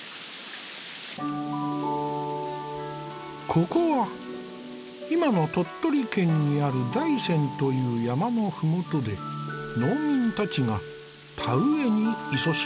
ここは今の鳥取県にある大山という山の麓で農民たちが田植えにいそしんでいる。